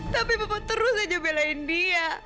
tapi papa terus saja belain dia